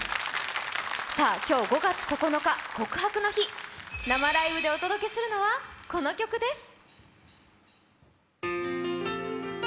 今日、５月９日、告白の日生ライブでお届けするのはこの曲です。